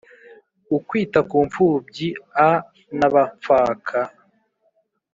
ukwita ku mfubyi a n abapfaka